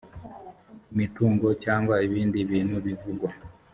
imitungo cyangwa ibindi bintu bivugwa